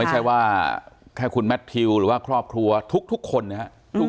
ไม่ใช่ว่าแค่คุณแมททิวหรือว่าครอบครัวทุกคนนะครับ